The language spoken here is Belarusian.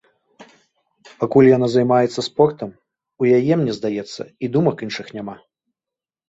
Пакуль яна займаецца спортам, у яе, мне здаецца, і думак іншых няма.